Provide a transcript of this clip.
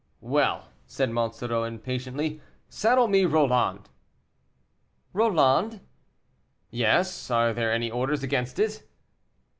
"Well," said Monsoreau, impatiently, "saddle me Roland." "Roland?" "Yes, are there any orders against it?"